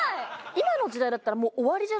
今の時代だったらもう終わりじゃないですか？